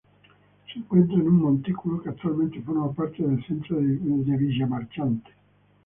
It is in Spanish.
Se encuentra en un montículo que actualmente forma parte del centro de Villamarchante.